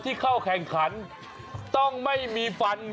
มีหลากหลายการแข่งขันคุณผู้ชมอย่างที่บอกอันนี้ปาเป้าเห็นมั้ยก็ม